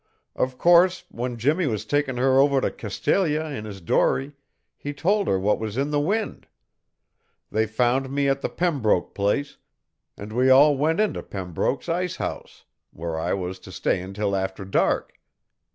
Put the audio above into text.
Of course, when Jimmie was taking her over to Castalia in his dory he told her what was in the wind. They found me at the Pembroke place, and we all went into Pembroke's ice house, where I was to stay until after dark.